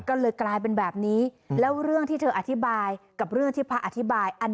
ก็เลยกลายเป็นแบบนี้แล้วเรื่องที่เธออธิบายกับเรื่องที่พระอธิบายอัน